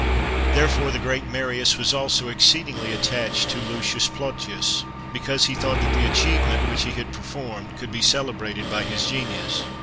'* Therefore, the great Marius was also exceedingly attached to Lucius Plotius, because he thought that the achievement which he had performed could be celebrated by his genius.